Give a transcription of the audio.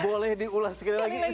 boleh diulas sekali lagi